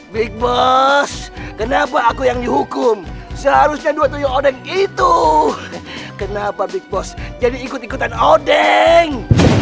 big boss kenapa aku yang dihukum seharusnya dua puluh tujuh odeng itu kenapa big boss jadi ikut ikutan odeng